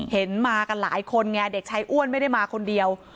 เห็นมากันหลายคนไงเด็กชายอ้วนไม่ได้มาคนเดียว